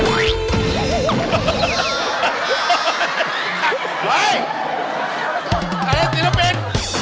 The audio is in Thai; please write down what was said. ไอ้ศิลปิน